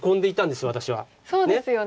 そうですよね。